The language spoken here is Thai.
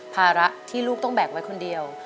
ภาระที่ลูกต้องแบกไว้คนเดียว